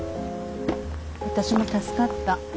私も助かった。